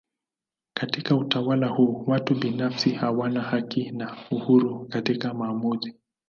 Katika utawala huu watu binafsi hawana haki na uhuru katika maamuzi.